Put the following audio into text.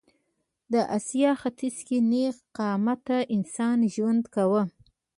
د اسیا ختیځ کې نېغ قامته انسان ژوند کاوه.